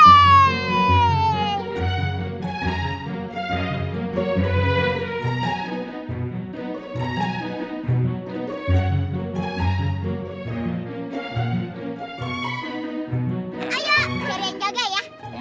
ayo ceri yang jaga ya